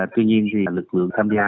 tuy nhiên lực lượng tham gia